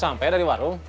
baru sampai dari warung